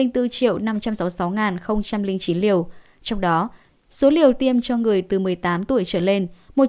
trong đó số liều tiêm cho người từ một mươi tám tuổi trở lên